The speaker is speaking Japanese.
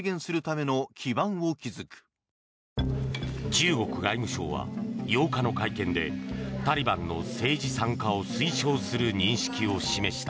中国外務省は８日の会見でタリバンの政治参加を推奨する認識を示した。